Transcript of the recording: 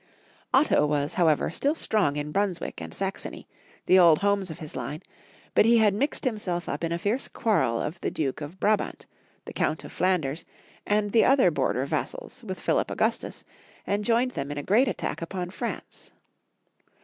Otto was, however, still strong in Brunswick and Saxony, the old homes of his line, but he had mixed himself up in a fierce quarrel of the Duke of Bra bant, the Count of Flanders, and the other border vassals, with PhiUp Augustus, and joined them in a great attack upon France.